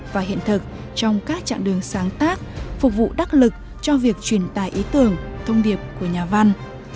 và hiện thực trong các trạng đường sáng tác phục vụ đắc lực cho việc truyền tài ý tưởng thông điệp của nhà văn